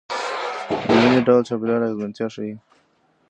دویني ډول چاپیریال اغېزمنتیا ښيي.